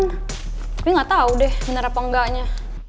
tapi gatau deh bener apa enggaknya